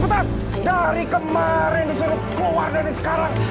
sudah dari kemarin disuruh keluar dari sekarang